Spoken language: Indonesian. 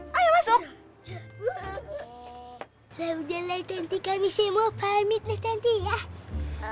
hanya mak lagi gitulah